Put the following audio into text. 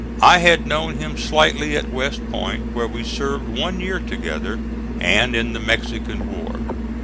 I had known him slightly at West Point, where we served one year together, and in the Mexican war.